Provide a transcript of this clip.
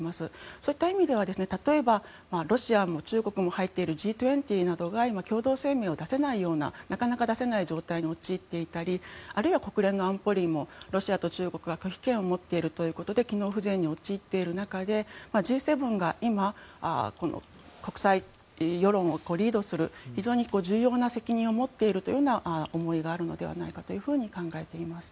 そういった意味では例えばロシアも中国も入っているＧ２０などが今、なかなか共同声明を出せない状況に陥っていたりあるいは国連の安保理もロシアや中国が拒否権を持っているということで機能不全に陥っている中でＧ７が今国際世論をリードする非常に重要な責任を持っているというような思いがあるのではないかというふうに考えています。